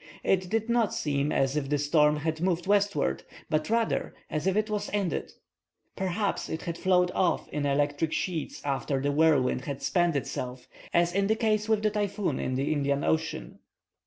It did not seem as if the storm had moved westward, but rather as if it was ended. Perhaps it had flowed off in electric sheets after the whirlwind had spent itself, as is the case with the typhoon in the Indian Ocean.